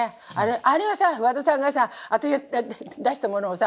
あれがさ和田さんがさ私が出したものをさ